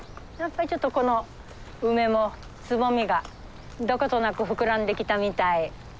やっぱりちょっとこの梅もつぼみがどことなく膨らんできたみたい。